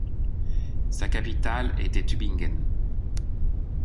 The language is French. Sa capitale était Tübingen.